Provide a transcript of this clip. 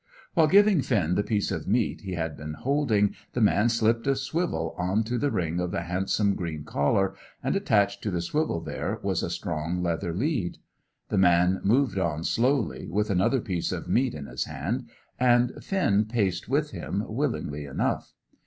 While giving Finn the piece of meat he had been holding, the man slipped a swivel on to the ring of the handsome green collar, and attached to the swivel there was a strong leather lead. The man moved on slowly, with another piece of meat in his hand, and Finn paced with him, willingly enough.